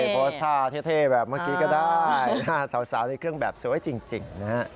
โพสต์ท่าเท่แบบเมื่อกี้ก็ได้สาวในเครื่องแบบสวยจริงนะฮะ